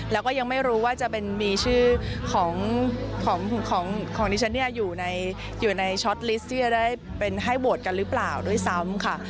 แล้วก็ยังไม่รู้ว่าจะมีชื่อของดิฉันเนี่ยอยู่ในช็อตลิสที่จะได้เป็นให้โหวตกันหรือเปล่าด้วยซ้ำค่ะ